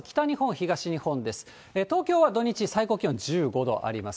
東京は土日、最高気温１５度あります。